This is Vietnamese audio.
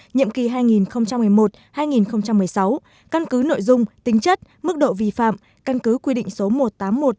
nhiệm kỳ hai nghìn một mươi một hai nghìn một mươi sáu căn cứ nội dung tính chất mức độ vi phạm căn cứ quy định số một trăm tám mươi một